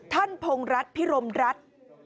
ท่านพงรัฐพิรมรัฐ